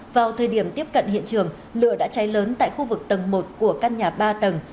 vào thời điểm tiếp cận hiện trường lửa đã cháy lớn tại khu vực tầng một